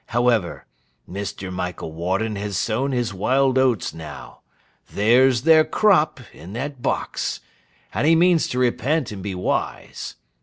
However, Mr. Michael Warden has sown his wild oats now—there's their crop, in that box; and he means to repent and be wise.